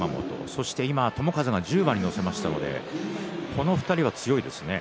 そして、友風が１０番に乗せましたのでこの２人は強いですね。